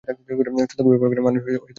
সত্যকে ব্যবহার করেই ধোঁকা দেয় মানুষকে।